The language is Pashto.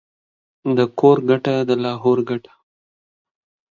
د کور گټه ، دلاهور گټه.